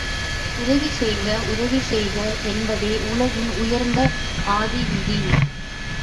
உதவி செய்க உதவி செய்க என்பதே உலகின் உயர்ந்த ஆதி விதி.